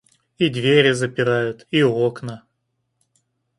И двери запирают, и окна.